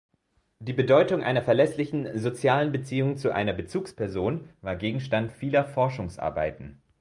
Die Bedeutung einer verlässlichen sozialen Beziehung zu einer Bezugsperson war Gegenstand vieler Forschungsarbeiten.